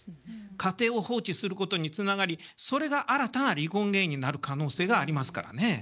家庭を放置することにつながりそれが新たな離婚原因になる可能性がありますからね。